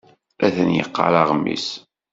Atan yeqqar aɣmis.